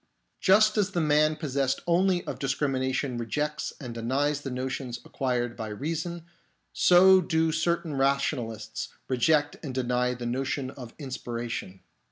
Just as the man possessed only of discrimination rejects and denies the notions acquired by reason, so do certain rationalists reject and deny the notion of inspiration.